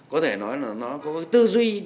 có thể nói là nó có cái tư duyên